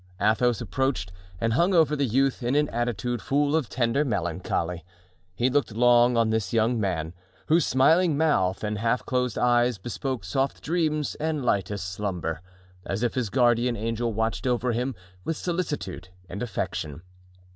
Athos approached and hung over the youth in an attitude full of tender melancholy; he looked long on this young man, whose smiling mouth and half closed eyes bespoke soft dreams and lightest slumber, as if his guardian angel watched over him with solicitude and affection.